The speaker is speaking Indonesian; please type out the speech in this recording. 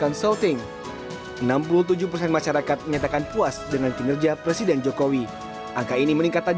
hanya empat puluh satu persen masyarakat yang puas akan kinerja presiden jokowi